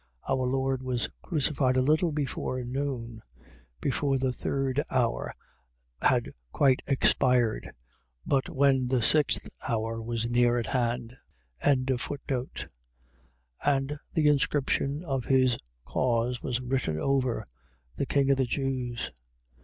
Our Lord was crucified a little before noon; before the third hour had quite expired; but when the sixth hour was near at hand. 15:26. And the inscription of his cause was written over: THE KING OF THE JEWS.